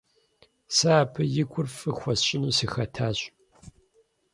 Сэ абы и гур фӀы хуэсщӀыну сыхэтащ.